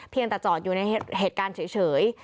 แต่จอดอยู่ในเหตุการณ์เฉย